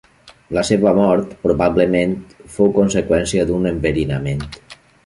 La seva mort probablement fou conseqüència d'un enverinament.